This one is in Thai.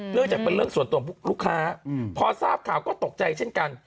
เรื่องจากเป็นเรื่องส่วนตัวของลูกค้าพอทราบข่าวก็ตกใจเช่นกัน